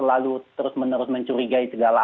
lalu terus menerus mencurigai segala